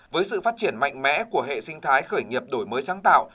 với sự phát triển mạnh mẽ của hệ sinh thái khởi nghiệp đổi mới sáng tạo